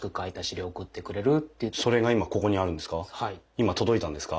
今届いたんですか？